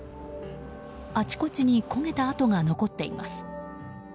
あちこちに焦げた跡が残っています。